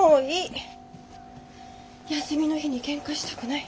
休みの日にケンカしたくない。